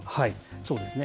そうですね。